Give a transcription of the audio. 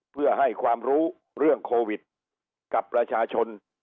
เพื่อให้ความรู้เรื่องโควิดกับประชาชน